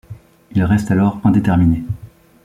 Il reste alors indéterminé.